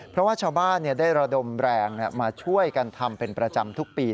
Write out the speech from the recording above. เพราะว่าชาวบ้านได้ระดมแรงมาช่วยกันทำเป็นประจำทุกปี